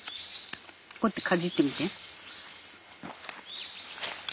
こうやってかじってみて。